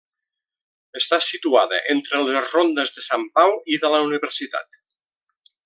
Està situada entre les rondes de Sant Pau i de la Universitat.